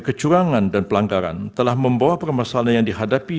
kecurangan dan pelanggaran telah membawa permasalahan yang dihadapi